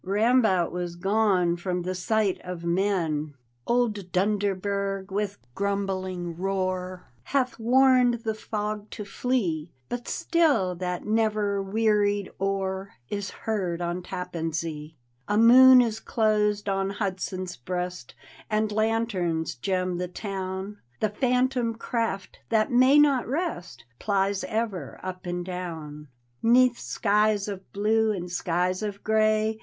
Rambout was gone from the sight of men I Old Dundcrberg with grumbling roat Hath warned the fog to flee, But still that never wearied oar Is heard on Tappan Zee. A moon is closed on Hudson's breast And lanterns gem the town; The phantom craft that may not rest Plies ever, up and down, 'Neath skies of blue and skies of gray.